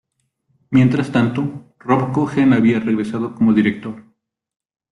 Mientras tanto, Rob Cohen había regresado como director.